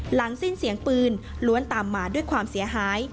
หลังสิ้นเสียงปืนล้วนตามมาด้วยความเสียหาย